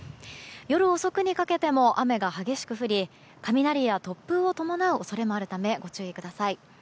夜遅くにかけても雨が激しく降り雷や突風を伴う恐れもあるためご注意ください。